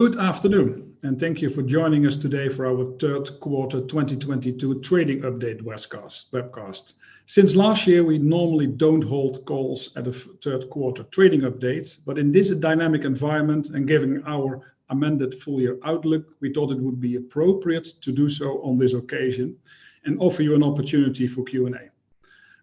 Good afternoon, and thank you for joining us today for our third quarter 2022 trading update webcast. Since last year, we normally don't hold calls third quarter trading update. In this dynamic environment and given our amended full year outlook, we thought it would be appropriate to do so on this occasion and offer you an opportunity for Q&A.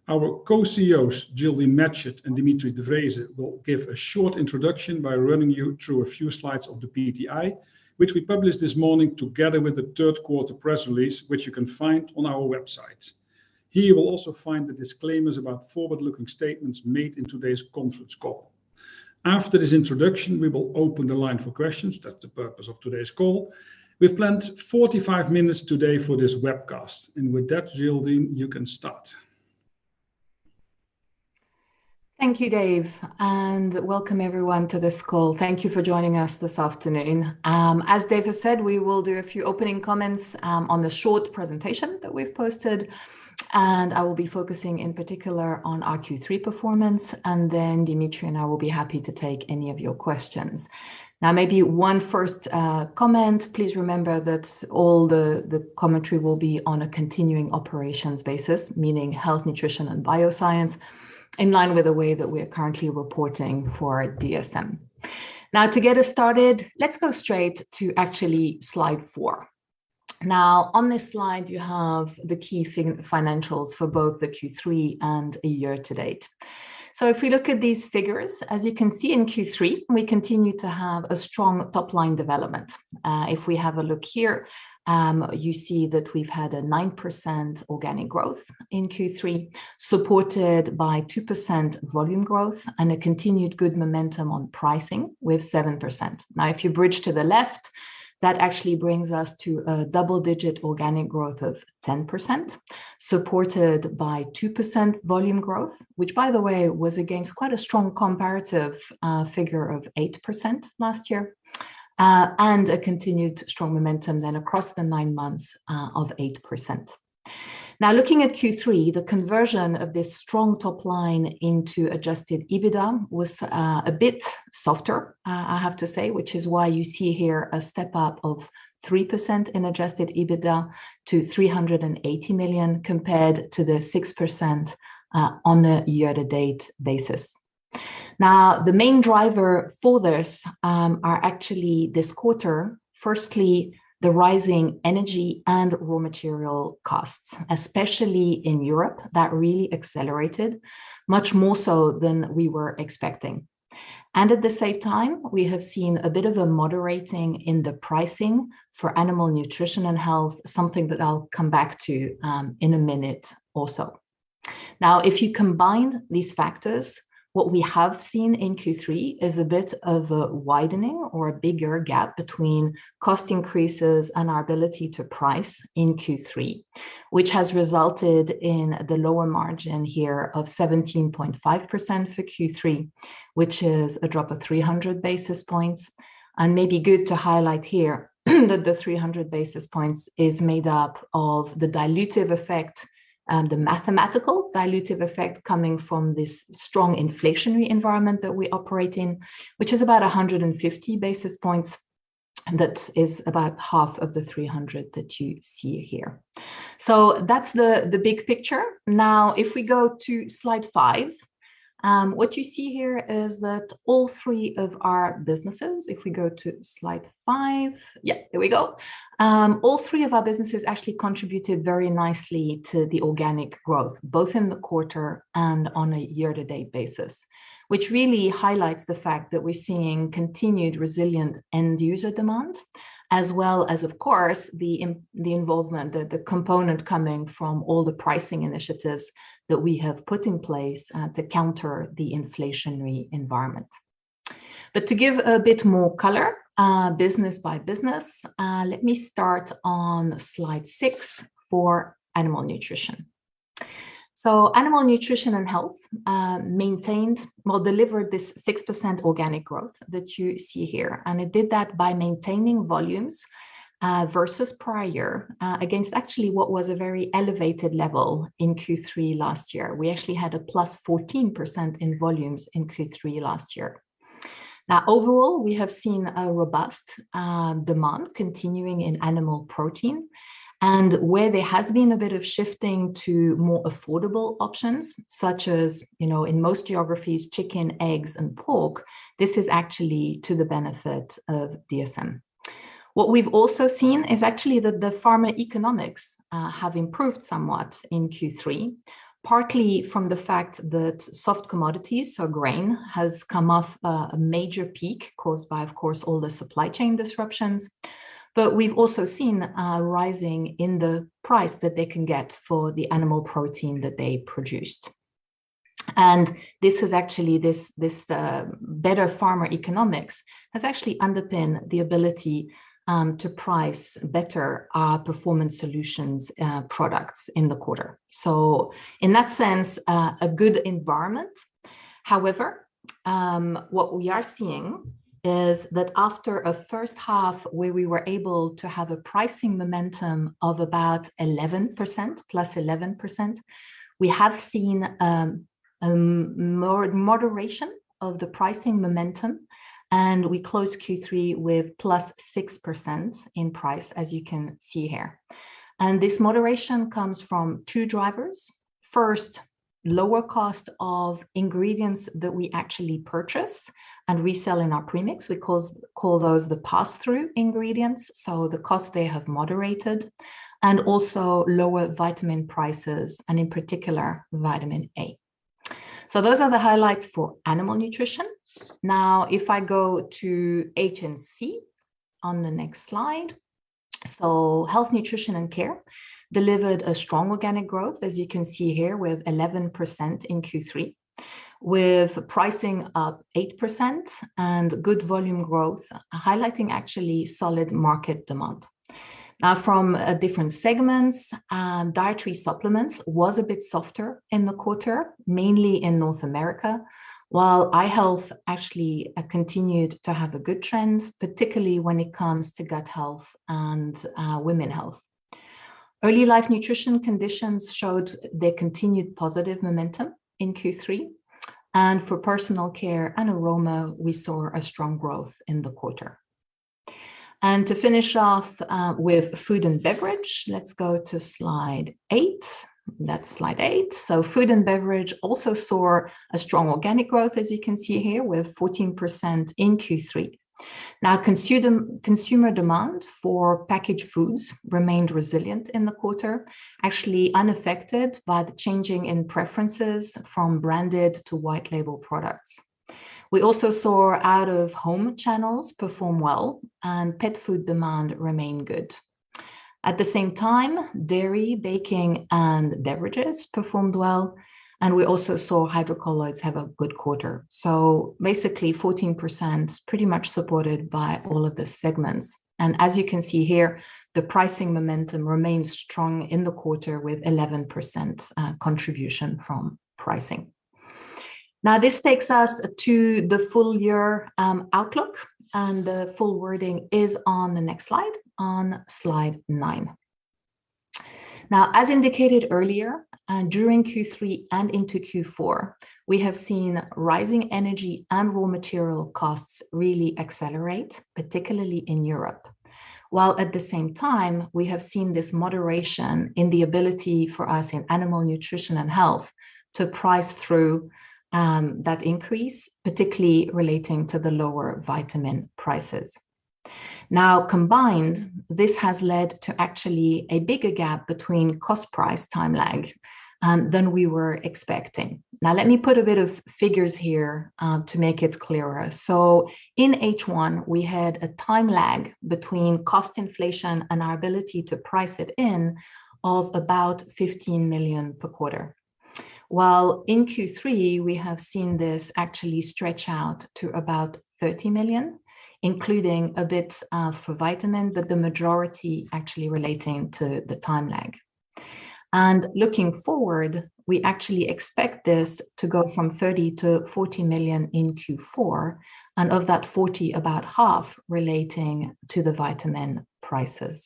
Our co-CEOs, Geraldine Matchett and Dimitri de Vreeze, will give a short introduction by running you through a few slides of the PTI, which we published this morning together with the third quarter press release, which you can find on our website. Here you will also find the disclaimers about forward-looking statements made in today's conference call. After this introduction, we will open the line for questions. That's the purpose of today's call. We've planned 45 minutes today for this webcast. With that, Geraldine, you can start. Thank you, Dave, and welcome everyone to this call. Thank you for joining us this afternoon. As Dave has said, we will do a few opening comments on the short presentation that we've posted, and I will be focusing in particular on our Q3 performance, and then Dimitri and I will be happy to take any of your questions. Now, maybe one first comment, please remember that all the commentary will be on a continuing operations basis, meaning health, nutrition, and bioscience, in line with the way that we are currently reporting for DSM. Now, to get us started, let's go straight to actually slide four. Now, on this slide, you have the key financials for both the Q3 and the year to date. If we look at these figures, as you can see in Q3, we continue to have a strong top-line development. If we have a look here, you see that we've had a 9% organic growth in Q3, supported by 2% volume growth and a continued good momentum on pricing with 7%. Now, if you bridge to the left, that actually brings us to a double-digit organic growth of 10%, supported by 2% volume growth, which by the way, was against quite a strong comparative figure of 8% last year, and a continued strong momentum then across the 9 months of 8%. Now, looking at Q3, the conversion of this strong top line into adjusted EBITDA was a bit softer, I have to say, which is why you see here a step up of 3% in adjusted EBITDA to 380 million compared to the 6% on a year-to-date basis. Now, the main driver for this are actually this quarter, firstly, the rising energy and raw material costs, especially in Europe, that really accelerated much more so than we were expecting. At the same time, we have seen a bit of a moderating in the pricing for Animal Nutrition and Health, something that I'll come back to in a minute also. Now, if you combine these factors, what we have seen in Q3 is a bit of a widening or a bigger gap between cost increases and our ability to price in Q3, which has resulted in the lower margin here of 17.5% for Q3, which is a drop of 300 basis points. Maybe good to highlight here that the 300 basis points is made up of the dilutive effect, the mathematical dilutive effect coming from this strong inflationary environment that we operate in, which is about 150 basis points. That is about half of the 300 that you see here. That's the big picture. Now, if we go to slide five, what you see here is that all three of our businesses. Yeah, here we go. All three of our businesses actually contributed very nicely to the organic growth, both in the quarter and on a year-to-date basis, which really highlights the fact that we're seeing continued resilient end user demand, as well as, of course, the involvement, the component coming from all the pricing initiatives that we have put in place, to counter the inflationary environment. To give a bit more color, business by business, let me start on slide six for Animal Nutrition. Animal Nutrition & Health maintained or delivered this 6% organic growth that you see here, and it did that by maintaining volumes, versus prior, against actually what was a very elevated level in Q3 last year. We actually had a +14% in volumes in Q3 last year. Now, overall, we have seen a robust demand continuing in animal protein, and where there has been a bit of shifting to more affordable options, such as, you know, in most geographies, chicken, eggs, and pork, this is actually to the benefit of DSM. What we've also seen is actually that the farmer economics have improved somewhat in Q3, partly from the fact that soft commodities or grain has come off a major peak caused by, of course, all the supply chain disruptions. We've also seen a rising in the price that they can get for the animal protein that they produced. This is actually this better farmer economics has actually underpinned the ability to price better Performance Solutions products in the quarter. In that sense, a good environment. However, what we are seeing is that after a first half where we were able to have a pricing momentum of about 11%, +11%, we have seen more moderation of the pricing momentum, and we closed Q3 with +6% in price, as you can see here. This moderation comes from two drivers. First, lower cost of ingredients that we actually purchase and resell in our premix. We call those the pass-through ingredients, so the cost there have moderated. Also lower vitamin prices, and in particular, vitamin A. Those are the highlights for Animal Nutrition. Now, if I go to H&C on the next slide. Health, Nutrition, and Care delivered a strong organic growth, as you can see here, with 11% in Q3, with pricing up 8% and good volume growth, highlighting actually solid market demand. Now, from different segments, dietary supplements was a bit softer in the quarter, mainly in North America, while eye health actually continued to have a good trend, particularly when it comes to gut health and women's health. Early Life Nutrition conditions showed their continued positive momentum in Q3, and for Personal Care and Aroma, we saw a strong growth in the quarter. To finish off with Food and Beverage, let's go to slide eight. That's slide eight. Food and Beverage also saw a strong organic growth, as you can see here, with 14% in Q3. Now, consumer demand for packaged foods remained resilient in the quarter, actually unaffected by the change in preferences from branded to white label products. We also saw out-of-home channels perform well, and pet food demand remained good. At the same time, dairy, baking, and beverages performed well, and we also saw hydrocolloids have a good quarter. Basically, 14% pretty much supported by all of the segments. As you can see here, the pricing momentum remains strong in the quarter with 11% contribution from pricing. Now, this takes us to the full year outlook, and the full wording is on the next slide, on slide nine. Now, as indicated earlier, during Q3 and into Q4, we have seen rising energy and raw material costs really accelerate, particularly in Europe, while at the same time, we have seen this moderation in the ability for us in Animal Nutrition and Health to price through that increase, particularly relating to the lower vitamin prices. Now, combined, this has led to actually a bigger gap between cost price time lag than we were expecting. Now, let me put a bit of figures here to make it clearer. In H1, we had a time lag between cost inflation and our ability to price it in of about 15 million per quarter, while in Q3, we have seen this actually stretch out to about 30 million, including a bit for vitamin, but the majority actually relating to the time lag. Looking forward, we actually expect this to go from 30 million to 40 million in Q4, and of that 40, about half relating to the vitamin prices.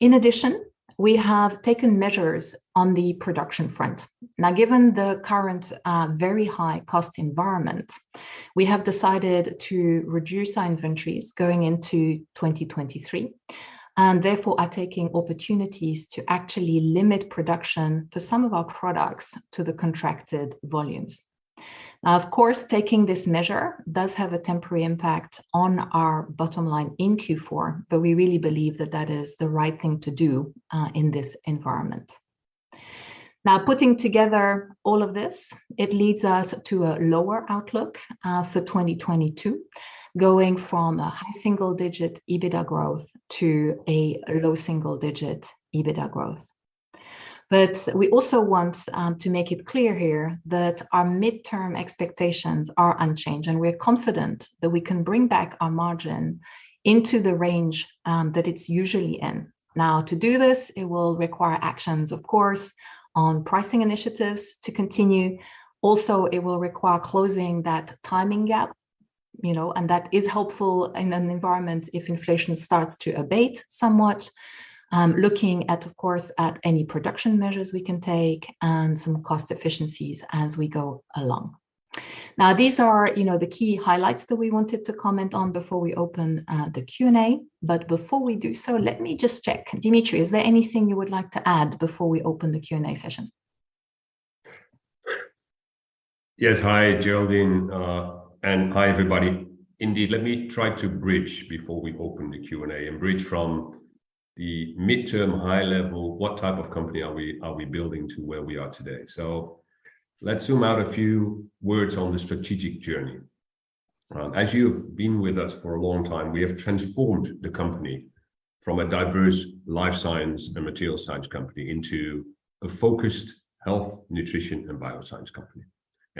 In addition, we have taken measures on the production front. Now, given the current very high cost environment, we have decided to reduce our inventories going into 2023, and therefore are taking opportunities to actually limit production for some of our products to the contracted volumes. Now, of course, taking this measure does have a temporary impact on our bottom line in Q4, but we really believe that that is the right thing to do in this environment. Now, putting together all of this, it leads us to a lower outlook for 2022, going from a high single-digit EBITDA growth to a low single-digit EBITDA growth. We also want to make it clear here that our midterm expectations are unchanged, and we're confident that we can bring back our margin into the range that it's usually in. Now, to do this, it will require actions, of course, on pricing initiatives to continue. Also, it will require closing that timing gap, you know, and that is helpful in an environment if inflation starts to abate somewhat. Looking at, of course, at any production measures we can take and some cost efficiencies as we go along. Now, these are, you know, the key highlights that we wanted to comment on before we open the Q&A. Before we do so, let me just check. Dimitri, is there anything you would like to add before we open the Q&A session? Yes. Hi, Geraldine. And hi, everybody. Indeed, let me try to bridge before we open the Q&A, and bridge from the midterm high level, what type of company are we building, to where we are today. Let's zoom out a few words on the strategic journey. As you've been with us for a long time, we have transformed the company from a diverse life science and material science company into a focused health, nutrition, and bioscience company.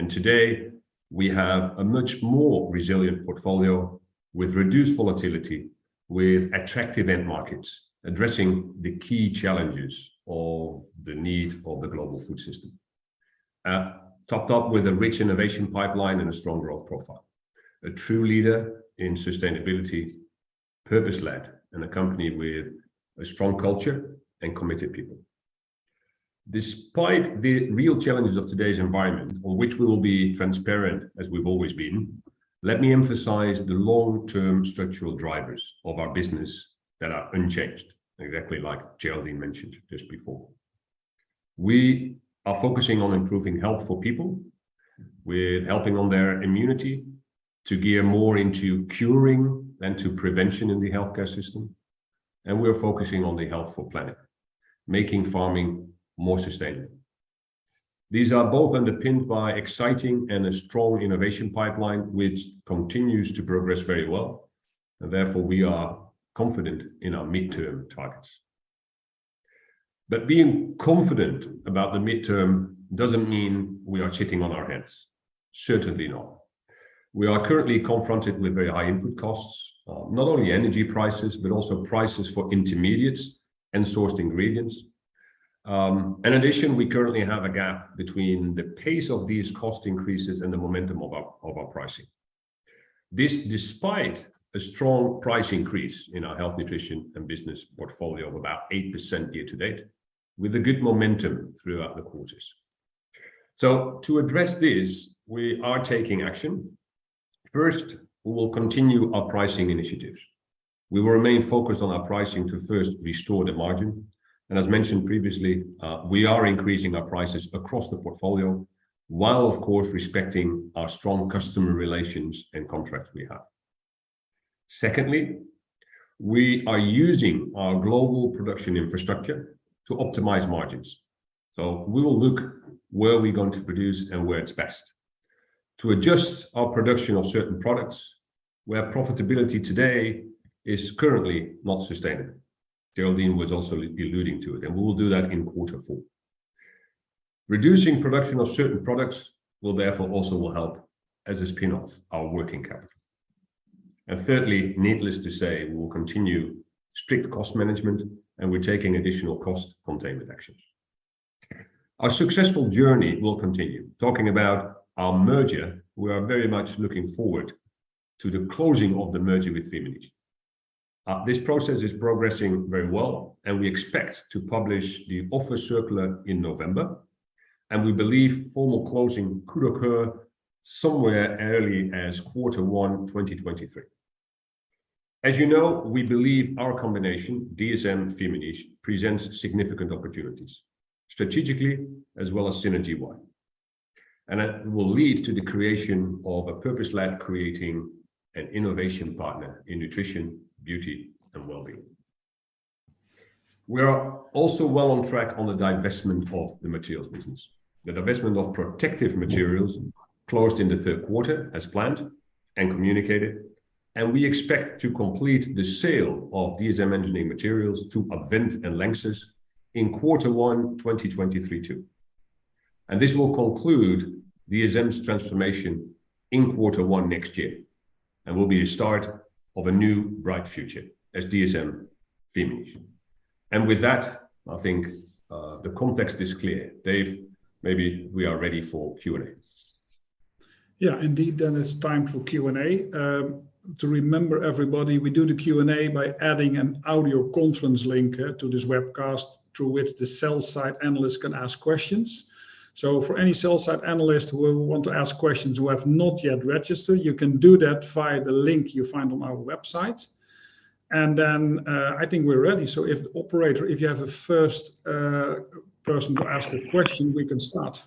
Today, we have a much more resilient portfolio with reduced volatility, with attractive end markets addressing the key challenges of the need of the global food system, topped up with a rich innovation pipeline and a strong growth profile. A true leader in sustainability. Purpose-led and a company with a strong culture and committed people. Despite the real challenges of today's environment, on which we will be transparent, as we've always been, let me emphasize the long-term structural drivers of our business that are unchanged, exactly like Geraldine mentioned just before. We are focusing on improving health for people. We're helping on their immunity to gear more into curing than to prevention in the healthcare system, and we are focusing on the healthy planet, making farming more sustainable. These are both underpinned by exciting and a strong innovation pipeline, which continues to progress very well, and therefore, we are confident in our midterm targets. Being confident about the midterm doesn't mean we are sitting on our hands. Certainly not. We are currently confronted with very high input costs, not only energy prices, but also prices for intermediates and sourced ingredients. In addition, we currently have a gap between the pace of these cost increases and the momentum of our pricing. This despite a strong price increase in our Health, Nutrition & Bioscience portfolio of about 8% year to date, with a good momentum throughout the quarters. To address this, we are taking action. First, we will continue our pricing initiatives. We will remain focused on our pricing to first restore the margin, and as mentioned previously, we are increasing our prices across the portfolio, while of course respecting our strong customer relations and contracts we have. Secondly, we are using our global production infrastructure to optimize margins. We will look where we're going to produce and where it's best to adjust our production of certain products where profitability today is currently not sustainable. Geraldine was also alluding to it, and we will do that in quarter four. Reducing production of certain products will therefore also help, as a spin-off, our working capital. Thirdly, needless to say, we'll continue strict cost management, and we're taking additional cost containment actions. Our successful journey will continue. Talking about our merger, we are very much looking forward to the closing of the merger with Firmenich. This process is progressing very well, and we expect to publish the offering circular in November, and we believe formal closing could occur somewhere early as quarter one 2023. As you know, we believe our combination, DSM-Firmenich, presents significant opportunities, strategically as well as synergy-wise. It will lead to the creation of a purpose-led creative and innovative partner in nutrition, beauty, and wellbeing. We are also well on track on the divestment of the materials business. The divestment of Protective Materials closed in the third quarter as planned and communicated, and we expect to complete the sale of DSM Engineering Materials to Advent and LANXESS in quarter one 2023 too. This will conclude DSM's transformation in quarter one next year and will be the start of a new, bright future as DSM-Firmenich. With that, I think the context is clear. Dave, maybe we are ready for Q&A. Yeah, indeed, it's time for Q&A. To remind everybody, we do the Q&A by adding an audio conference link to this webcast through which the sell-side analysts can ask questions. For any sell-side analyst who will want to ask questions who have not yet registered, you can do that via the link you find on our website. I think we're ready. If, operator, if you have a first person to ask a question, we can start.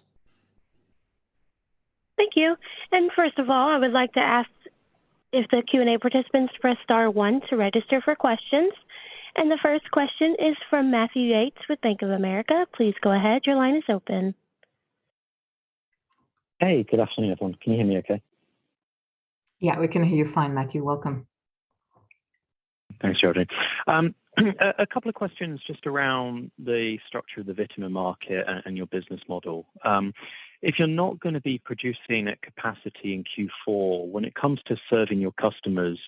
Thank you. First of all, I would like to ask if the Q&A participants press star one to register for questions. The first question is from Matthew Yates with Bank of America. Please go ahead. Your line is open. Hey, good afternoon, everyone. Can you hear me okay? Yeah, we can hear you fine, Matthew. Welcome. Thanks, Geraldine. A couple of questions just around the structure of the vitamin market and your business model. If you're not gonna be producing at capacity in Q4, when it comes to serving your customers,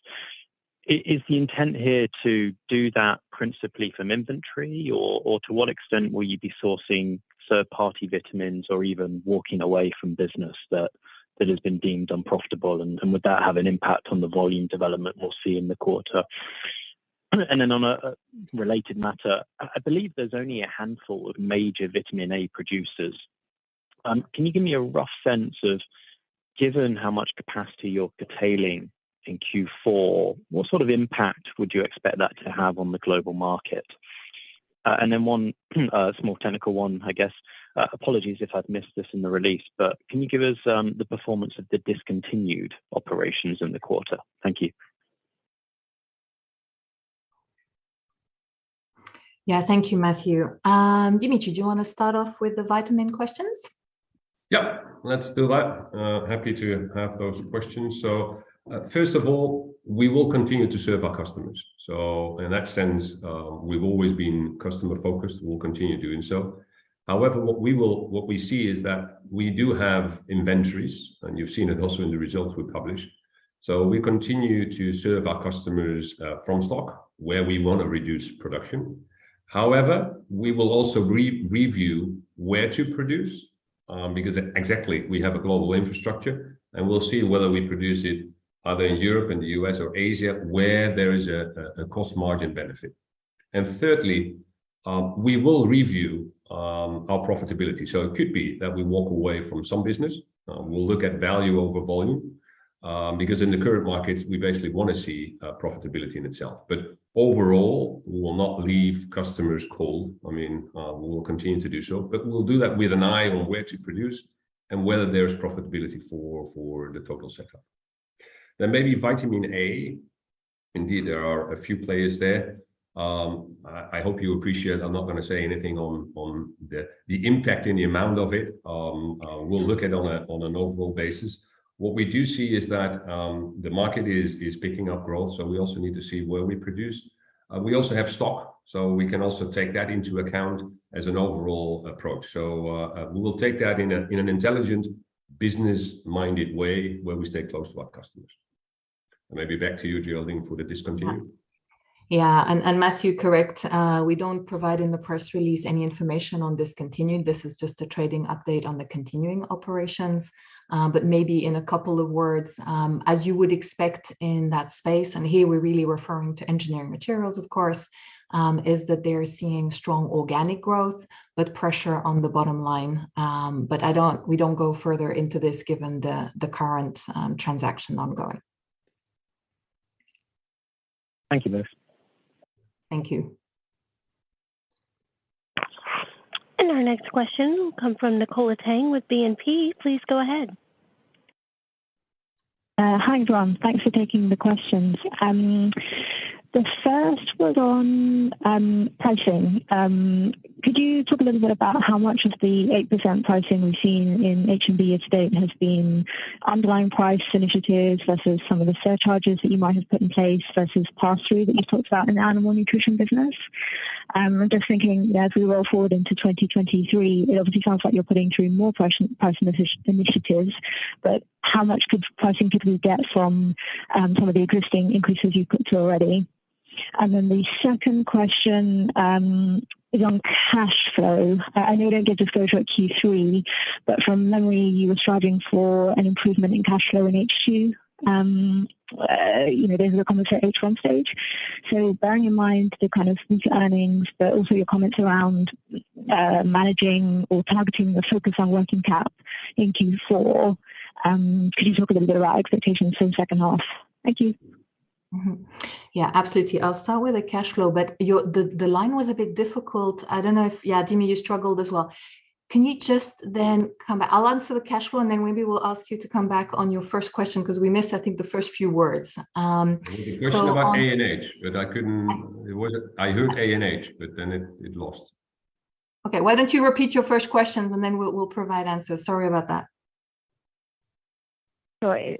is the intent here to do that principally from inventory? Or to what extent will you be sourcing third-party vitamins or even walking away from business that has been deemed unprofitable? Would that have an impact on the volume development we'll see in the quarter? On a related matter, I believe there's only a handful of major Vitamin A producers. Can you give me a rough sense of, given how much capacity you're curtailing in Q4, what sort of impact would you expect that to have on the global market? One, a small technical one, I guess. Apologies if I've missed this in the release, but can you give us the performance of the discontinued operations in the quarter? Thank you. Yeah. Thank you, Matthew. Dimitri, do you want to start off with the vitamin questions? Yeah, let's do that. Happy to have those questions. First of all, we will continue to serve our customers. In that sense, we've always been customer-focused. We'll continue doing so. However, what we see is that we do have inventories, and you've seen it also in the results we published. We continue to serve our customers from stock, where we want to reduce production. However, we will also re-review where to produce, because exactly, we have a global infrastructure, and we'll see whether we produce it either in Europe, in the U.S. or Asia, where there is a cost margin benefit. Thirdly, we will review our profitability. It could be that we walk away from some business. We'll look at value over volume, because in the current markets we basically wanna see profitability in itself. Overall, we will not leave customers cold. I mean, we will continue to do so. We'll do that with an eye on where to produce and whether there is profitability for the total setup. Maybe Vitamin A. Indeed, there are a few players there. I hope you appreciate I'm not gonna say anything on the impact and the amount of it. We'll look at it on an overall basis. What we do see is that the market is picking up growth, so we also need to see where we produce. We also have stock, so we can also take that into account as an overall approach. We will take that in an intelligent business-minded way where we stay close to our customers. Maybe back to you, Geraldine, for the discontinued. Yeah. Matthew, correct. We don't provide in the press release any information on discontinued. This is just a trading update on the continuing operations. Maybe in a couple of words, as you would expect in that space, and here we're really referring to engineering materials, of course, is that they're seeing strong organic growth, but pressure on the bottom line. We don't go further into this given the current transaction ongoing. Thank you both. Thank you. Our next question will come from Nicola Tang with BNP. Please go ahead. Hi everyone. Thanks for taking the questions. The first was on pricing. Could you talk a little bit about how much of the 8% pricing we've seen in HNB year to date has been underlying price initiatives versus some of the surcharges that you might have put in place versus pass through that you've talked about in the Animal Nutrition business? I'm just thinking, you know, as we roll forward into 2023, it obviously sounds like you're putting through more price initiatives, but how much pricing could we get from some of the existing increases you've put through already? The second question is on cash flow. I know you don't give the figure for Q3, but from memory you were striving for an improvement in cash flow in H2. You know, those are the comments at H1 stage. Bearing in mind the kind of earnings, but also your comments around managing or targeting the focus on working cap in Q4, could you talk a little bit about expectations in second half? Thank you. Mm-hmm. Yeah, absolutely. I'll start with the cash flow. The line was a bit difficult. Yeah, Dimitri, you struggled as well. Can you just then come back? I'll answer the cash flow and then maybe we'll ask you to come back on your first question 'cause we missed, I think, the first few words. So on. Maybe a question about ANH, but I couldn't. It wasn't. I heard ANH, but then it lost. Okay. Why don't you repeat your first questions and then we'll provide answers. Sorry about that.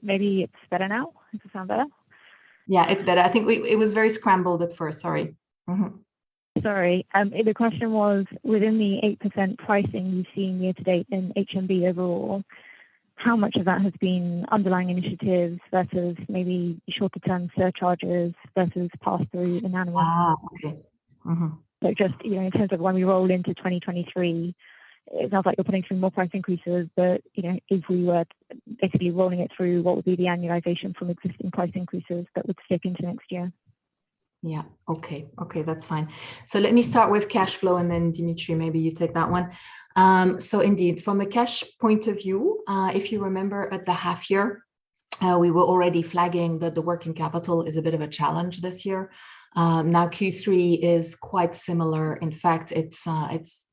Maybe it's better now. Does it sound better? Yeah, it's better. I think it was very scrambled at first. Sorry. Sorry. The question was, within the 8% pricing you've seen year to date in HNB overall, how much of that has been underlying initiatives versus maybe shorter term surcharges versus pass-through in Animal Nutrition? Okay. Mm-hmm. Just, you know, in terms of when we roll into 2023, it sounds like you're putting through more price increases. You know, if we were basically rolling it through, what would be the annualization from existing price increases that would slip into next year? Yeah. Okay. Okay, that's fine. Let me start with cash flow, and then Dimitri, maybe you take that one. Indeed, from a cash point of view, if you remember at the half year, we were already flagging that the working capital is a bit of a challenge this year. Now Q3 is quite similar. In fact,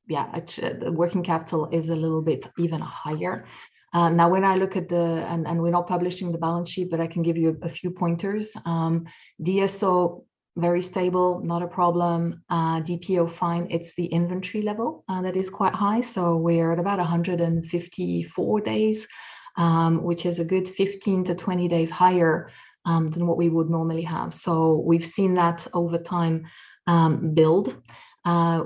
working capital is a little bit even higher. We're not publishing the balance sheet, but I can give you a few pointers. DSO, very stable, not a problem. DPO fine. It's the inventory level that is quite high. We're at about 154 days, which is a good 15-20 days higher than what we would normally have. We've seen that over time,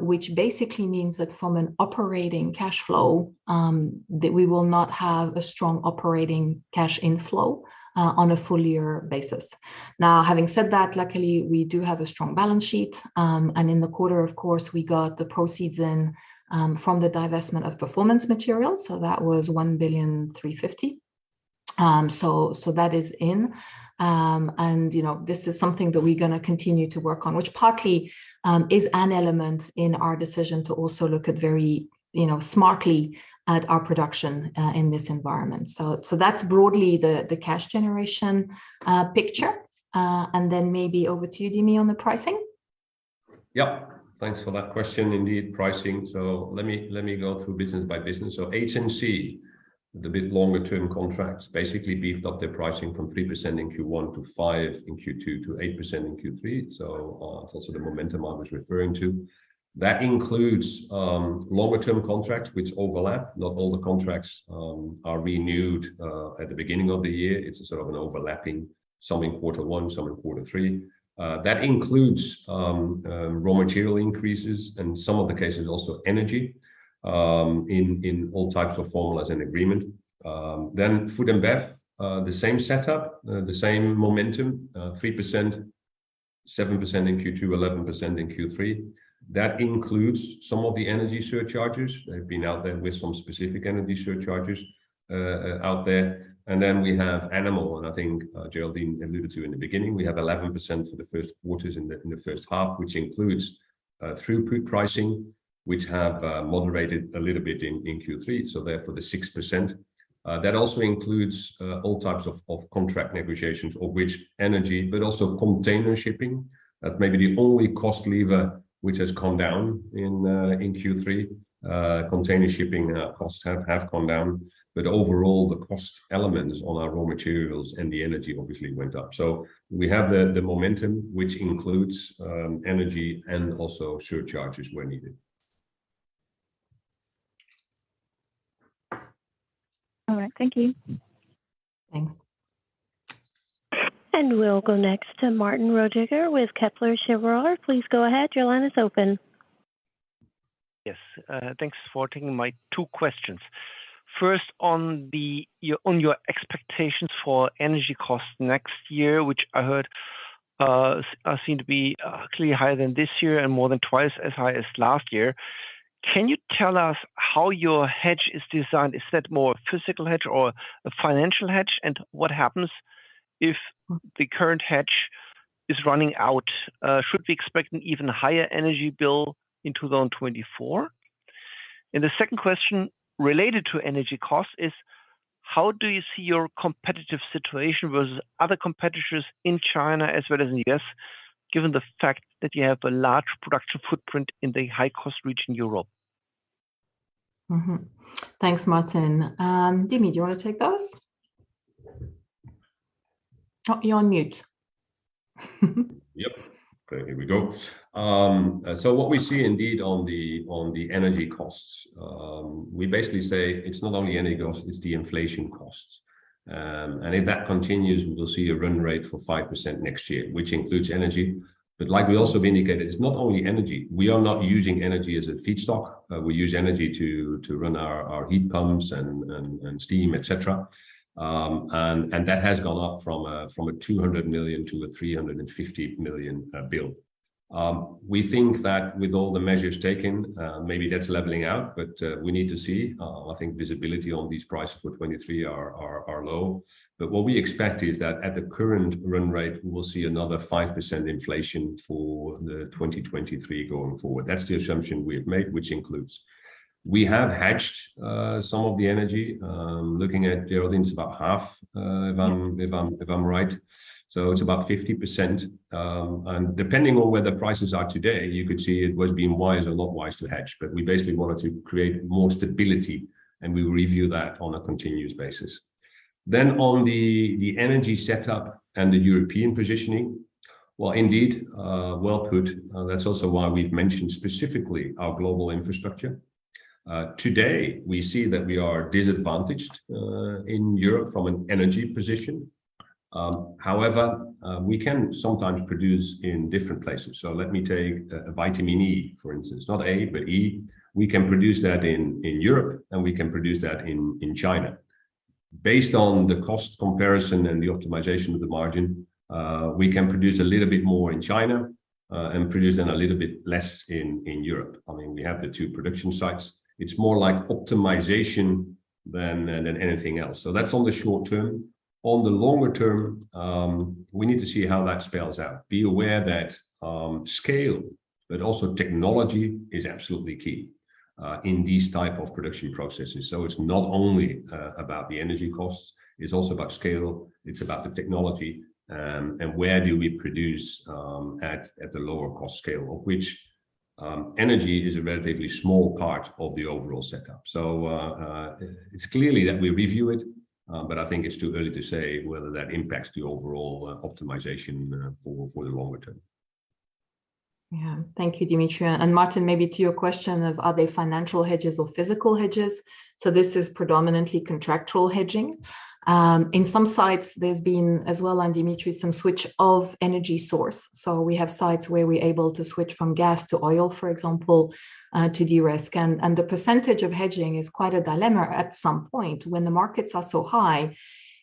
which basically means that from an operating cash flow, that we will not have a strong operating cash inflow, on a full year basis. Now, having said that, luckily we do have a strong balance sheet. In the quarter of course, we got the proceeds in, from the divestment of Protective Materials. That was 1.35 billion. That is in. You know, this is something that we're gonna continue to work on, which partly is an element in our decision to also look at very, you know, smartly at our production, in this environment. That's broadly the cash generation picture. Maybe over to you, Dimi, on the pricing. Yeah. Thanks for that question. Indeed, pricing. Let me go through business by business. HNC, a bit longer term contracts basically beefed up their pricing from 3% in Q1 to 5% in Q2 to 8% in Q3. It's also the momentum I was referring to. That includes longer term contracts which overlap. Not all the contracts are renewed at the beginning of the year. It's a sort of an overlapping, some in quarter one, some in quarter three. That includes raw material increases, in some of the cases also energy, in all types of formulas and agreements. Food & Beverage, the same setup, the same momentum, 3%, 7% in Q2, 11% in Q3. That includes some of the energy surcharges. They've been out there with some specific energy surcharges out there. We have Animal, and I think Geraldine alluded to in the beginning. We have 11% for the first quarters in the first half, which includes pass-through pricing, which have moderated a little bit in Q3, so therefore the 6%. That also includes all types of contract negotiations, of which energy, but also container shipping. That may be the only cost lever which has come down in Q3. Container shipping costs have come down. Overall, the cost elements on our raw materials and the energy obviously went up. We have the momentum, which includes energy and also surcharges where needed. All right. Thank you. Thanks. We'll go next to Martin Roediger with Kepler Cheuvreux. Please go ahead. Your line is open. Yes. Thanks for taking my two questions. First, on your expectations for energy costs next year, which I heard seem to be clearly higher than this year and more than twice as high as last year. Can you tell us how your hedge is designed? Is that more a physical hedge or a financial hedge? And what happens if the current hedge is running out? Should we expect an even higher energy bill in 2024? And the second question related to energy costs is how do you see your competitive situation versus other competitors in China as well as in the U.S., given the fact that you have a large production footprint in the high-cost region Europe? Mm-hmm. Thanks, Martin. Dimitri, do you want to take those? Oh, you're on mute. Yep. Okay, here we go. What we see indeed on the energy costs, we basically say it's not only energy costs, it's the inflation costs. If that continues, we will see a run rate for 5% next year, which includes energy. Like we also indicated, it's not only energy. We are not using energy as a feedstock. We use energy to run our heat pumps and steam, et cetera. That has gone up from 200 million to 350 million bill. We think that with all the measures taken, maybe that's leveling out, but we need to see. I think visibility on these prices for 2023 are low. What we expect is that at the current run rate, we will see another 5% inflation for the 2023 going forward. That's the assumption we have made, which includes. We have hedged some of the energy. Looking at Geraldine’s, about half, if I'm right. So it's about 50%. And depending on where the prices are today, you could see it would be wise, a lot wiser to hedge, but we basically wanted to create more stability, and we will review that on a continuous basis. On the energy setup and the European positioning, well, indeed, well put. That's also why we've mentioned specifically our global infrastructure. Today, we see that we are disadvantaged in Europe from an energy position. However, we can sometimes produce in different places. Let me take a Vitamin E, for instance. Not A, but E. We can produce that in Europe, and we can produce that in China. Based on the cost comparison and the optimization of the margin, we can produce a little bit more in China, and produce then a little bit less in Europe. I mean, we have the two production sites. It's more like optimization than anything else. That's on the short term. On the longer term, we need to see how that spells out. Be aware that scale, but also technology is absolutely key in these type of production processes. It's not only about the energy costs, it's also about scale, it's about the technology, and where do we produce at the lower cost scale. Of which, energy is a relatively small part of the overall setup. It's clear that we review it, but I think it's too early to say whether that impacts the overall optimization for the longer term. Yeah. Thank you, Dimitri. Martin, maybe to your question of are they financial hedges or physical hedges? This is predominantly contractual hedging. In some sites, there's been as well, and Dimitri, some switch of energy source. We have sites where we're able to switch from gas to oil, for example, to de-risk. The percentage of hedging is quite a dilemma at some point when the markets are so high.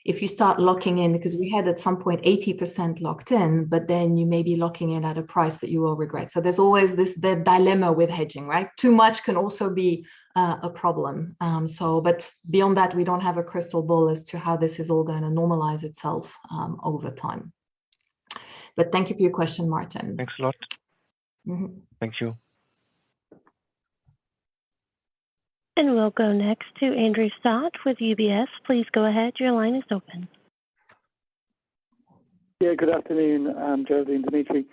If you start locking in, because we had at some point 80% locked in, but then you may be locking in at a price that you will regret. There's always this the dilemma with hedging, right? Too much can also be a problem. Beyond that, we don't have a crystal ball as to how this is all gonna normalize itself over time. Thank you for your question, Martin. Thanks a lot. Mm-hmm. Thank you. We'll go next to Andrew Stott with UBS. Please go ahead. Your line is open. Yeah. Good afternoon, Geraldine and Dimitri.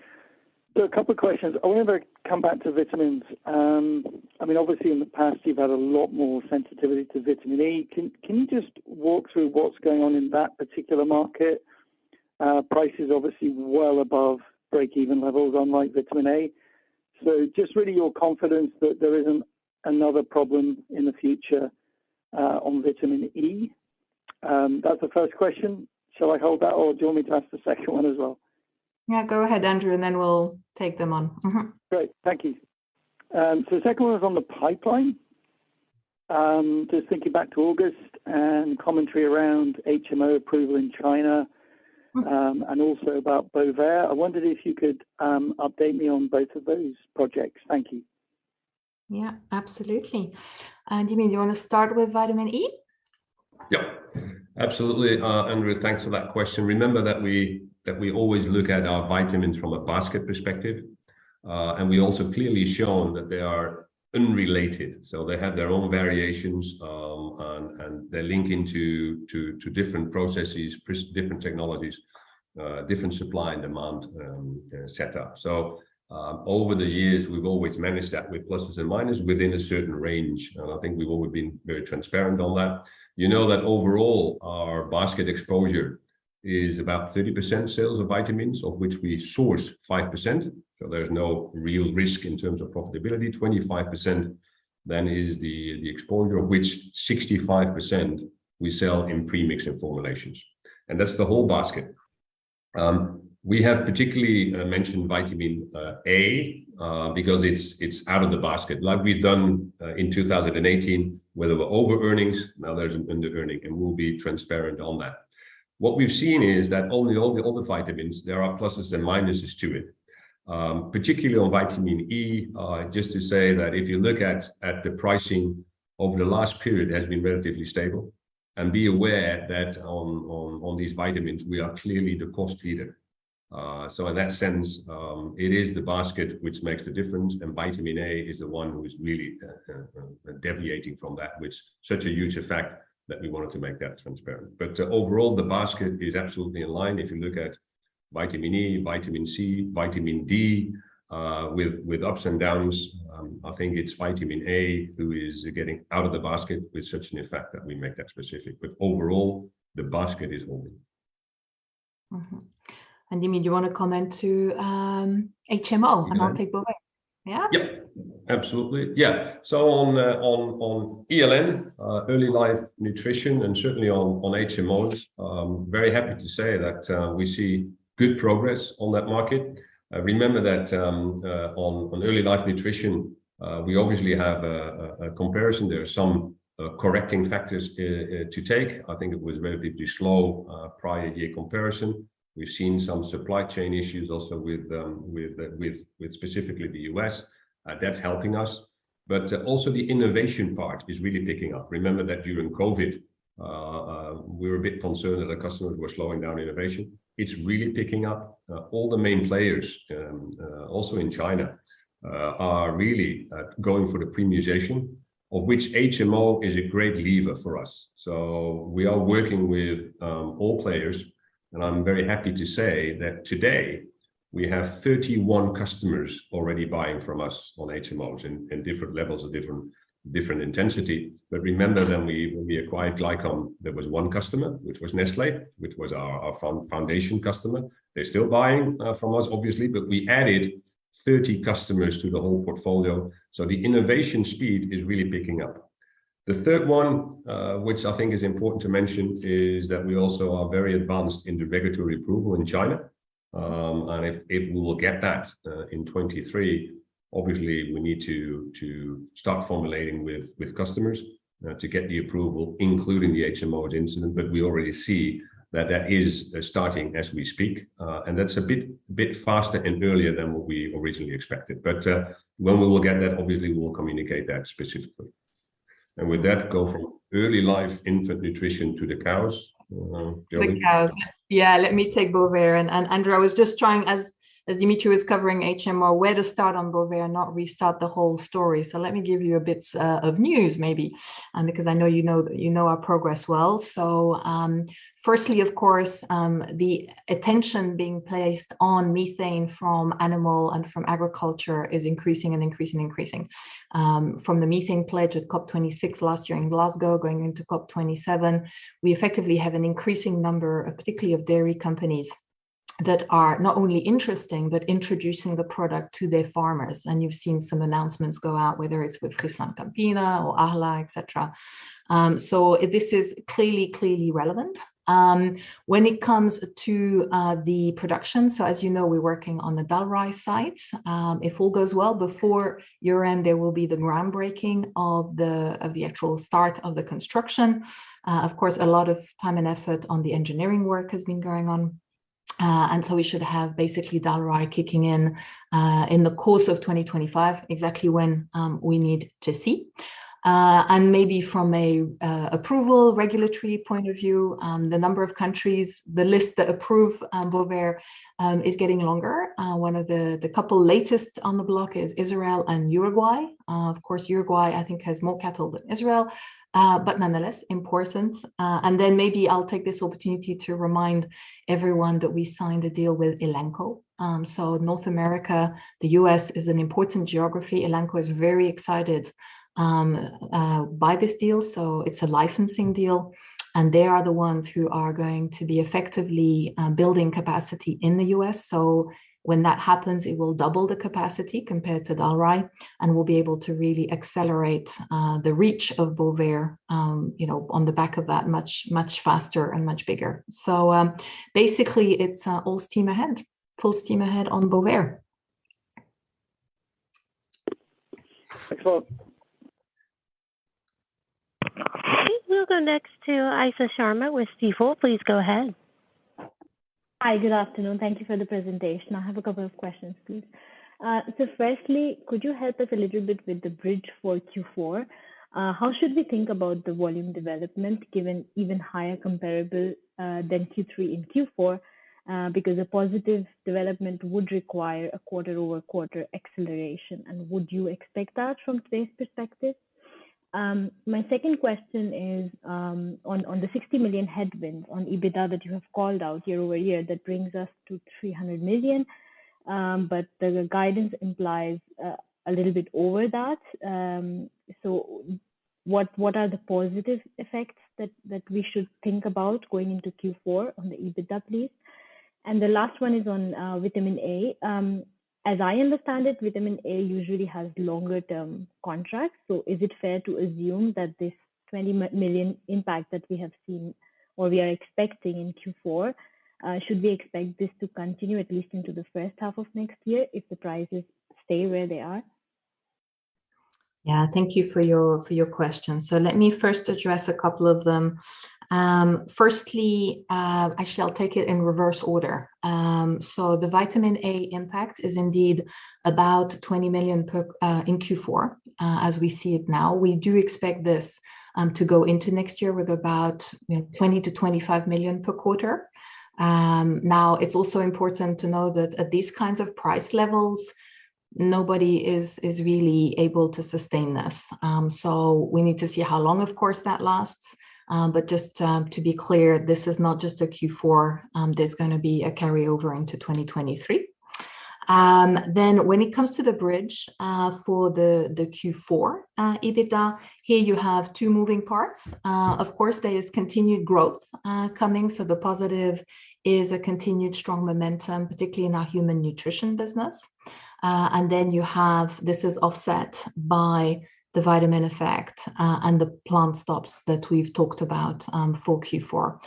A couple questions. I wonder, come back to vitamins. I mean, obviously in the past, you've had a lot more sensitivity to Vitamin E. Can you just walk through what's going on in that particular market? Price is obviously well above break-even levels, unlike Vitamin A. Just really your confidence that there isn't another problem in the future, on Vitamin E. That's the first question. Shall I hold that or do you want me to ask the second one as well? Yeah, go ahead, Andrew, and then we'll take them on. Great. Thank you. The second one is on the pipeline. Just thinking back to August and commentary around HMO approval in China, and also about Bovaer. I wondered if you could update me on both of those projects. Thank you. Yeah. Absolutely. Dimitri, you want to start with Vitamin E? Yep. Absolutely. Andrew, thanks for that question. Remember that we always look at our vitamins from a basket perspective. And we also clearly shown that they are unrelated, so they have their own variations, and they're linking to different processes, different technologies, different supply and demand set up. Over the years, we've always managed that with pluses and minuses within a certain range, and I think we've always been very transparent on that. You know that overall our basket exposure is about 30% sales of vitamins, of which we source 5%. So there's no real risk in terms of profitability. 25% then is the exposure, of which 65% we sell in pre-mix and formulations. That's the whole basket. We have particularly mentioned Vitamin A because it's out of the basket, like we've done in 2018, where there were over earnings. Now there's under earning, and we'll be transparent on that. What we've seen is that all the vitamins, there are pluses and minuses to it. Particularly on Vitamin E, just to say that if you look at the pricing over the last period has been relatively stable. And be aware that on these vitamins, we are clearly the cost leader. So in that sense, it is the basket which makes the difference, and Vitamin A is the one who is really deviating from that, with such a huge effect that we wanted to make that transparent. Overall, the basket is absolutely in line. If you look at Vitamin E, Vitamin C, Vitamin D, with ups and downs, I think it's Vitamin A who is getting out of the basket with such an effect that we make that specific. Overall, the basket is holding. Mm-hmm. Dimitri, do you want to comment to, HMO. Yeah I'll take Bovaer. Yeah? Yep. Absolutely. Yeah. On ELN, early life nutrition, and certainly on HMOs, I'm very happy to say that we see good progress on that market. Remember that on early life nutrition, we obviously have a comparison. There are some correcting factors to take. I think it was relatively slow prior year comparison. We've seen some supply chain issues also with specifically the U.S. That's helping us. Also the innovation part is really picking up. Remember that during COVID, we were a bit concerned that the customers were slowing down innovation. It's really picking up. All the main players also in China are really going for the premiumization, of which HMO is a great lever for us. We are working with all players, and I'm very happy to say that today we have 31 customers already buying from us on HMOs in different levels of different intensity. Remember that we, when we acquired Glycom, there was one customer, which was Nestlé, which was our foundation customer. They're still buying from us obviously, but we added 30 customers to the whole portfolio. The innovation speed is really picking up. The third one, which I think is important to mention, is that we also are very advanced in the regulatory approval in China. If we will get that in 2023, obviously we need to start formulating with customers to get the approval, including the HMO ingredient. We already see that that is starting as we speak. That's a bit faster and earlier than what we originally expected. When we will get that, obviously we will communicate that specifically. With that, go from early life infant nutrition to the cows, Geraldine Matchett. The cows. Yeah. Let me take Bovaer. Andrew, I was just trying as Dimitri was covering HMO where to start on Bovaer, not restart the whole story. Let me give you a bit of news maybe, because I know you know our progress well. Firstly of course, the attention being placed on methane from animal and from agriculture is increasing and increasing and increasing. From the methane pledge at COP26 last year in Glasgow going into COP27, we effectively have an increasing number, particularly of dairy companies, that are not only interested, but introducing the product to their farmers. You've seen some announcements go out, whether it's with FrieslandCampina or Arla, et cetera. This is clearly relevant. When it comes to the production, as you know, we're working on the Dalry site. If all goes well before year-end, there will be the groundbreaking of the actual start of the construction. Of course, a lot of time and effort on the engineering work has been going on. We should have basically Dalry kicking in in the course of 2025, exactly when we need to see. Maybe from a regulatory approval point of view, the number of countries, the list that approve Bovaer, is getting longer. One of the couple latest on the block is Israel and Uruguay. Of course, Uruguay I think has more cattle than Israel, but nonetheless important. Maybe I'll take this opportunity to remind everyone that we signed a deal with Elanco. North America, the US is an important geography. Elanco is very excited by this deal. It's a licensing deal, and they are the ones who are going to be effectively building capacity in the US. When that happens, it will double the capacity compared to Dalry, and we'll be able to really accelerate the reach of Bovaer, you know, on the back of that much, much faster and much bigger. Basically it's all steam ahead, full steam ahead on Bovaer. Thanks a lot. We'll go next to Isha Sharma with Stifel. Please go ahead. Hi. Good afternoon. Thank you for the presentation. I have a couple of questions, please. So firstly, could you help us a little bit with the bridge for Q4? How should we think about the volume development given even higher comparable than Q3 in Q4, because a positive development would require a quarter-over-quarter acceleration. And would you expect that from today's perspective? My second question is on the 60 million headwind on EBITDA that you have called out year-over-year, that brings us to 300 million, but the guidance implies a little bit over that. So what are the positive effects that we should think about going into Q4 on the EBITDA, please? And the last one is on Vitamin A. As I understand it, Vitamin A usually has longer term contracts. Is it fair to assume that this 20 million impact that we have seen or we are expecting in Q4? Should we expect this to continue at least into the first half of next year if the prices stay where they are? Yeah. Thank you for your questions. Let me first address a couple of them. First, actually I'll take it in reverse order. The Vitamin A impact is indeed about 20 million in Q4, as we see it now. We do expect this to go into next year with about, you know, 20 million-25 million per quarter. Now it's also important to know that at these kinds of price levels, nobody is really able to sustain this. We need to see how long, of course, that lasts. To be clear, this is not just a Q4. There's gonna be a carryover into 2023. When it comes to the bridge for the Q4 EBITDA, here you have two moving parts. Of course, there is continued growth coming, so the positive is a continued strong momentum, particularly in our human nutrition business. This is offset by the vitamin effect and the plant stops that we've talked about for Q4.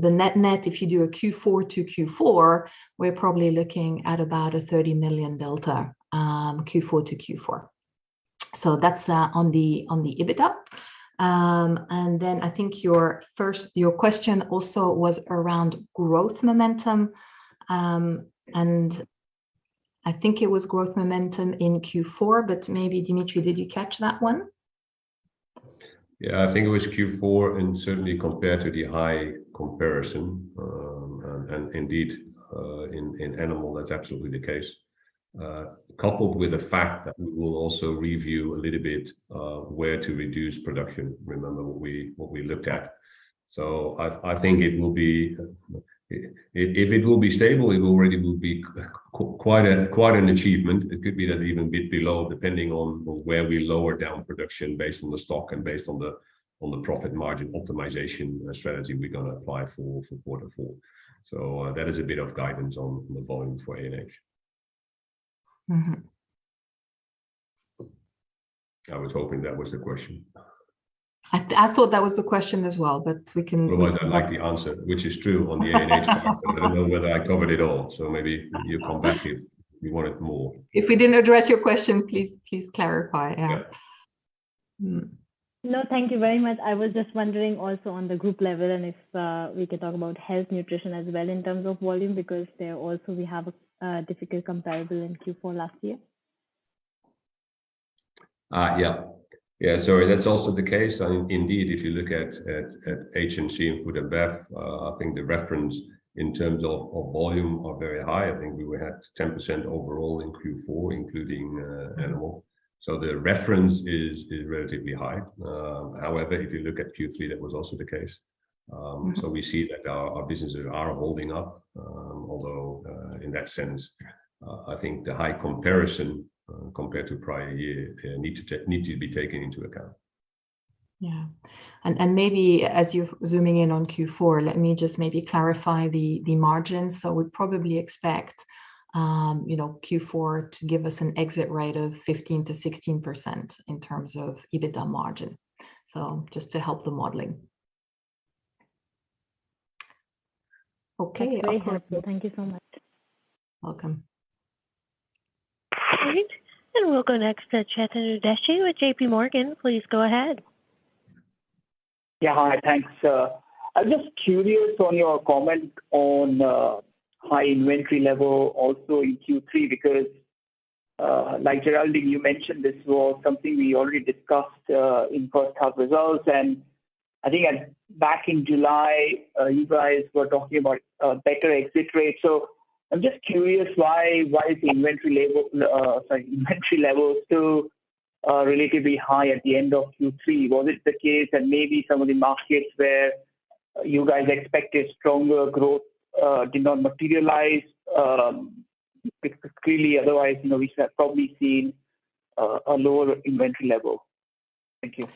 The net-net, if you do a Q4 to Q4, we're probably looking at about a 30 million delta, Q4 to Q4. That's on the EBITDA. I think your question also was around growth momentum. I think it was growth momentum in Q4, but maybe Dimitri, did you catch that one? Yeah. I think it was Q4 and certainly compared to the high comparison, and indeed, in animal, that's absolutely the case. Coupled with the fact that we will also review a little bit, where to reduce production. Remember what we looked at. I think it will be. If it will be stable, it already will be quite an achievement. It could be that even a bit below, depending on where we lower down production based on the stock and based on the profit margin optimization strategy we're gonna apply for quarter four. That is a bit of guidance on the volume for ANH. Mm-hmm. I was hoping that was the question. I thought that was the question as well, but we can. Well, I like the answer, which is true on the ANH part. I don't know whether I covered it all. Maybe you come back if you wanted more. If we didn't address your question, please clarify. Yeah. Yeah. Mm-hmm. No, thank you very much. I was just wondering also on the group level, and if we could talk about health nutrition as well in terms of volume, because there also we have a difficult comparable in Q4 last year. Yeah. That's also the case. I mean, indeed, if you look at HNC and Food & Bev, I think the reference in terms of volume are very high. I think we were at 10% overall in Q4, including animal. The reference is relatively high. However, if you look at Q3, that was also the case. We see that our businesses are holding up. Although, in that sense, I think the high comparison, compared to prior year, need to be taken into account. Yeah. Maybe as you're zooming in on Q4, let me just maybe clarify the margins. We probably expect, you know, Q4 to give us an exit rate of 15%-16% in terms of EBITDA margin. Just to help the modeling. Okay. Very helpful. Thank you so much. Welcome. Great. We'll go next to Chetan Udeshi with JPMorgan. Please go ahead. Yeah. Hi. Thanks. I'm just curious on your comment on high inventory level also in Q3, because like Geraldine, you mentioned this was something we already discussed in first half results. I think back in July, you guys were talking about better exit rates. I'm just curious why is the inventory level still relatively high at the end of Q3? Was it the case that maybe some of the markets where you guys expected stronger growth did not materialize? Because clearly otherwise, you know, we should have probably seen a lower inventory level. Thank you.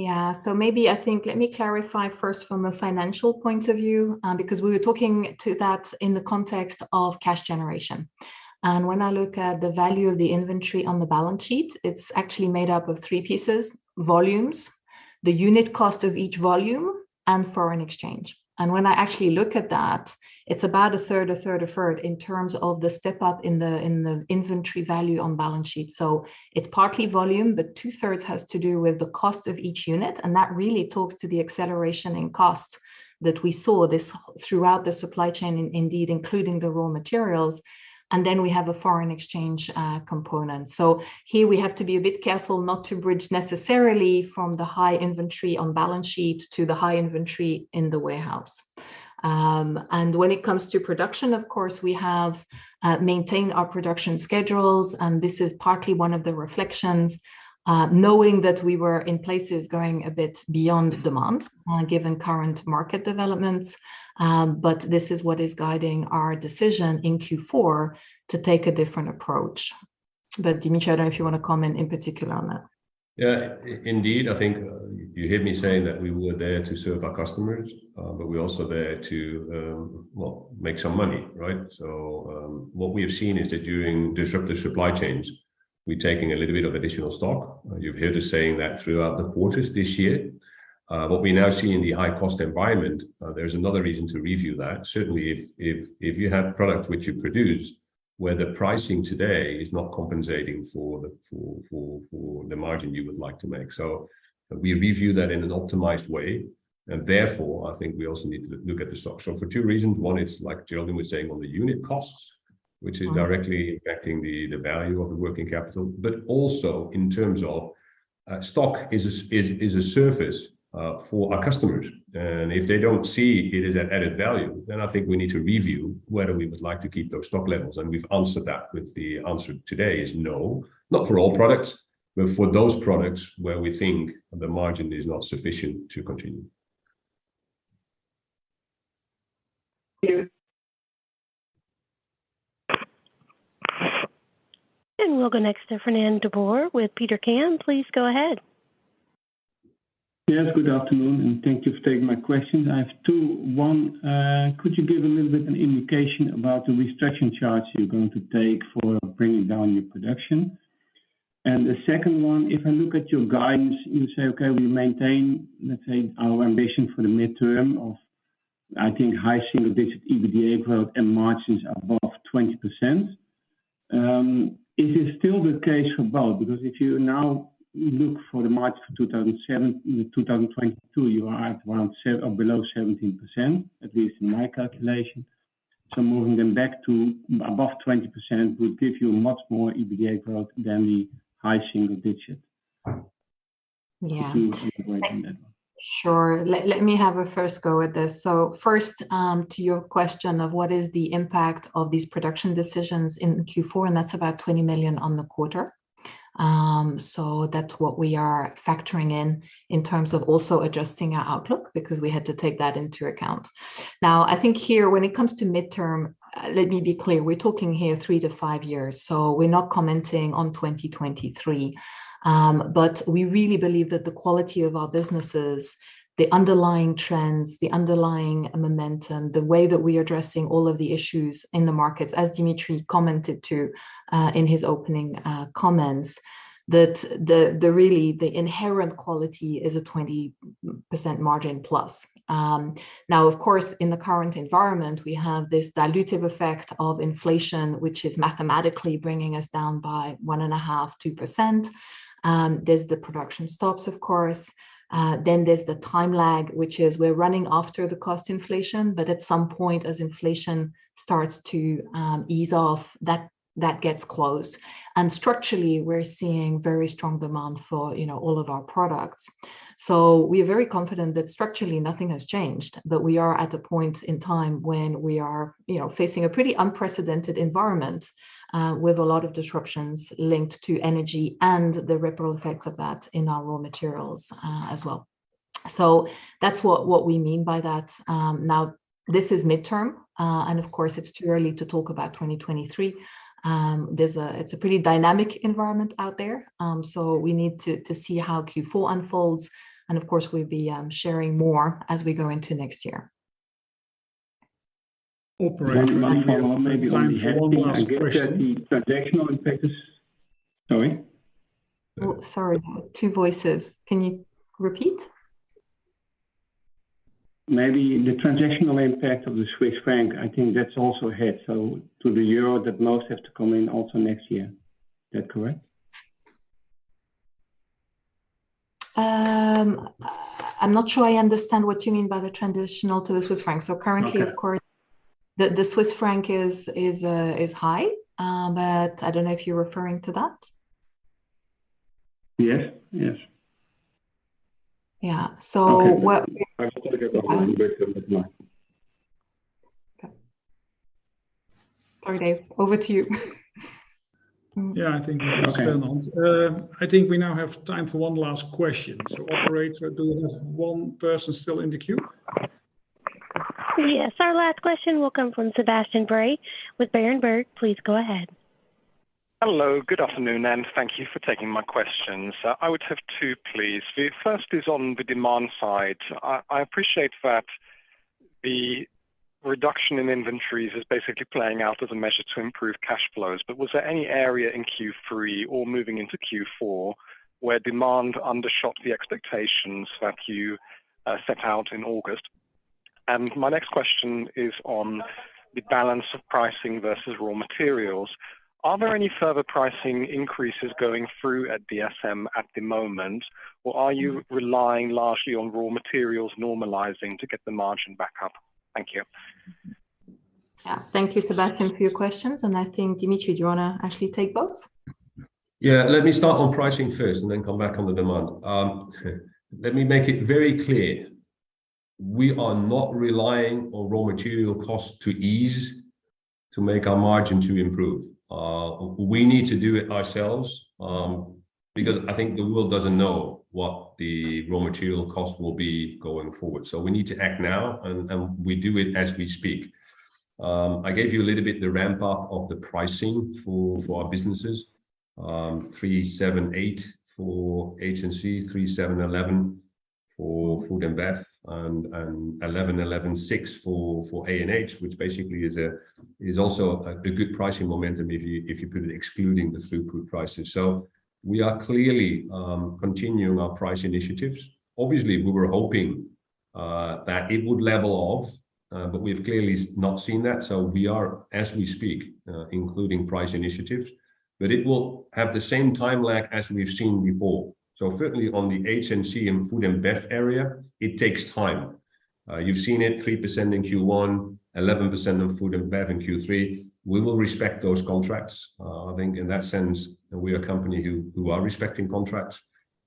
Yeah. Maybe I think let me clarify first from a financial point of view, because we were talking about that in the context of cash generation. When I look at the value of the inventory on the balance sheet, it's actually made up of three pieces, volumes, the unit cost of each volume and foreign exchange. When I actually look at that, it's about a third, a third, a third in terms of the step up in the inventory value on balance sheet. It's partly volume, but two-thirds has to do with the cost of each unit, and that really speaks to the acceleration in costs that we saw this year throughout the supply chain, indeed including the raw materials. Then we have a foreign exchange component. Here we have to be a bit careful not to bridge necessarily from the high inventory on balance sheet to the high inventory in the warehouse. When it comes to production, of course, we have maintained our production schedules, and this is partly one of the reflections, knowing that we were in places going a bit beyond demand, given current market developments. This is what is guiding our decision in Q4 to take a different approach. Dimitri, I don't know if you want to comment in particular on that. Yeah. Indeed, I think you heard me saying that we were there to serve our customers, but we're also there to, well, make some money, right? What we have seen is that during disruptive supply chains, we're taking a little bit of additional stock. You've heard us saying that throughout the quarters this year. What we now see in the high-cost environment, there's another reason to review that. Certainly, if you have product which you produce where the pricing today is not compensating for the margin you would like to make. We review that in an optimized way, and therefore, I think we also need to look at the stock. For two reasons. One is like Geraldine was saying, on the unit costs, which is directly impacting the value of the working capital. Also in terms of stock is a service for our customers. If they don't see it as an added value, then I think we need to review whether we would like to keep those stock levels. We've answered that with the answer today is no. Not for all products, but for those products where we think the margin is not sufficient to continue. Clear. We'll go next to Fernand de Boer with Degroof Petercam. Please go ahead. Yes, good afternoon, and thank you for taking my questions. I have two. One, could you give a little bit an indication about the restructuring charge you're going to take for bringing down your production? And the second one, if I look at your guidance, you say, okay, we maintain, let's say, our ambition for the midterm of, I think, high single-digit EBITDA growth and margins above 20%. Is it still the case for both? Because if you now look for the margin for 2022, you are at around or below 17%, at least in my calculation. Moving them back to above 20% would give you much more EBITDA growth than the high single-digit. Yeah. To integrate in that one. Let me have a first go at this. First, to your question of what is the impact of these production decisions in Q4, and that's about 20 million on the quarter. That's what we are factoring in in terms of also adjusting our outlook, because we had to take that into account. Now, I think here when it comes to midterm, let me be clear, we're talking here three to five years, so we're not commenting on 2023. We really believe that the quality of our businesses, the underlying trends, the underlying momentum, the way that we are addressing all of the issues in the markets, as Dimitri commented, too, in his opening comments, that the inherent quality is a 20% margin plus. Now of course, in the current environment, we have this dilutive effect of inflation, which is mathematically bringing us down by 1.5%-2%. There's the production stops, of course. Then there's the time lag, which is we're running after the cost inflation, but at some point as inflation starts to ease off, that gets closed. Structurally, we're seeing very strong demand for, you know, all of our products. We are very confident that structurally nothing has changed. We are at a point in time when we are, you know, facing a pretty unprecedented environment with a lot of disruptions linked to energy and the ripple effects of that in our raw materials, as well. That's what we mean by that. Now this is midterm, and of course it's too early to talk about 2023. It's a pretty dynamic environment out there, so we need to see how Q4 unfolds, and of course, we'll be sharing more as we go into next year. Operator, we have time for one last question. Maybe on the hedge, I get that the transactional impact is. Sorry? Oh, sorry. Two voices. Can you repeat? Maybe the transactional impact of the Swiss franc, I think that's also ahead. To the euro, that must have to come in also next year. Is that correct? I'm not sure I understand what you mean by the transition to the Swiss franc. Currently, of course. Okay The Swiss franc is high. I don't know if you're referring to that. Yes. Yes. Yeah. What. Okay. I forgot about it, but never mind. Okay. Okay, over to you. Yeah, I think that's Fernand. I think we now have time for one last question. Operator, do we have one person still in the queue? Yes. Our last question will come from Sebastian Bray with Berenberg. Please go ahead. Hello, good afternoon, and thank you for taking my questions. I would have two, please. The first is on the demand side. I appreciate that the reduction in inventories is basically playing out as a measure to improve cash flows. But was there any area in Q3 or moving into Q4 where demand undershot the expectations that you set out in August? And my next question is on the balance of pricing versus raw materials. Are there any further pricing increases going through at DSM at the moment, or are you relying largely on raw materials normalizing to get the margin back up? Thank you. Yeah. Thank you, Sebastian, for your questions. I think, Dimitri, do you want to actually take both? Yeah. Let me start on pricing first and then come back on the demand. Let me make it very clear, we are not relying on raw material costs to ease to make our margin to improve. We need to do it ourselves, because I think the world doesn't know what the raw material cost will be going forward. We need to act now, and we do it as we speak. I gave you a little bit the ramp up of the pricing for our businesses. 3%, 7%, 8% for H&C, 3%, 7%, 11% for Food & Bev, and 11%, 11%, 6% for ANH, which basically is also a good pricing momentum if you put it excluding the pass-through prices. We are clearly continuing our price initiatives. Obviously, we were hoping that it would level off, but we've clearly not seen that. We are, as we speak, including price initiatives. It will have the same time lag as we've seen before. Certainly on the H&C and Food & Bev area, it takes time. You've seen it, 3% in Q1, 11% on Food & Bev in Q3. We will respect those contracts. I think in that sense, we're a company who are respecting contracts.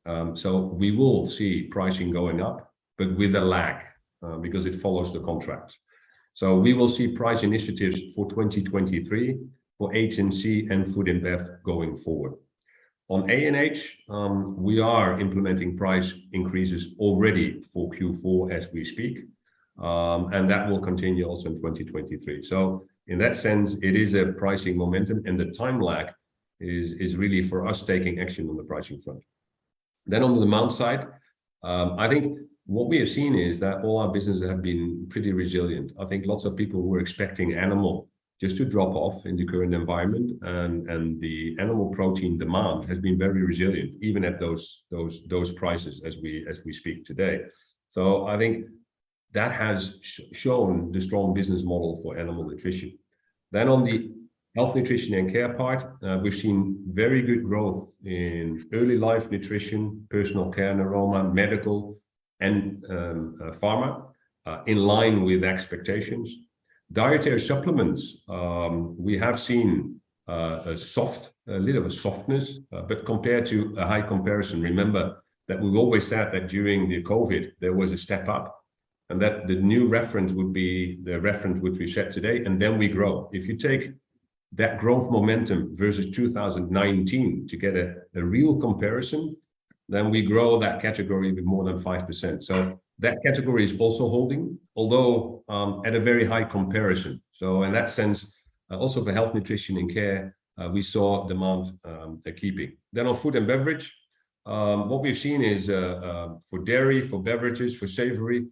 We will see pricing going up, but with a lag, because it follows the contracts. We will see price initiatives for 2023 for H&C and Food & Bev going forward. On ANH, we are implementing price increases already for Q4 as we speak. That will continue also in 2023. In that sense, it is a pricing momentum and the time lag is really for us taking action on the pricing front. On the demand side, I think what we have seen is that all our businesses have been pretty resilient. I think lots of people were expecting animal just to drop off in the current environment. The animal protein demand has been very resilient even at those prices as we speak today. I think that has shown the strong business model for animal nutrition. On the health, nutrition, and care part, we've seen very good growth in Early Life Nutrition, personal care, aroma, medical, and pharma in line with expectations. Dietary supplements, we have seen a little of a softness. Compared to a high comparison, remember that we've always said that during the COVID, there was a step up, and that the new reference would be the reference which we set today, and then we grow. If you take that growth momentum versus 2019 to get a real comparison, then we grow that category with more than 5%. That category is also holding, although at a very high comparison. In that sense, also for Health, Nutrition & Care, we saw demand keeping. On Food & Beverage, what we've seen is, for dairy, for beverages, for savory,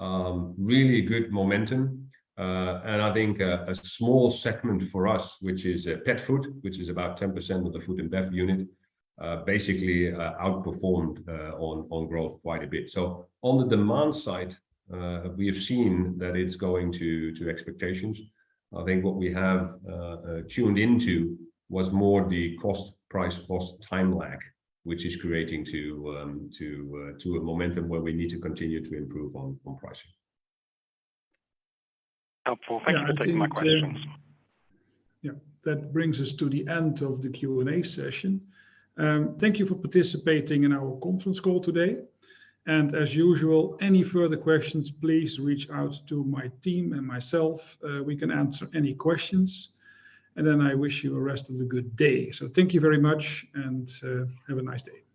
really good momentum. I think a small segment for us, which is pet food, which is about 10% of the Food & Bev unit, basically outperformed on growth quite a bit. On the demand side, we have seen that it's going to expectations. I think what we have tuned into was more the cost price plus time lag, which is creating a momentum where we need to continue to improve on pricing. Helpful. Thank you for taking my questions. Yeah. I think. Yeah. That brings us to the end of the Q&A session. Thank you for participating in our conference call today. As usual, any further questions, please reach out to my team and myself. We can answer any questions. I wish you the rest of a good day. Thank you very much, and have a nice day.